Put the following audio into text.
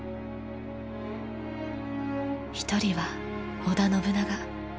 一人は織田信長。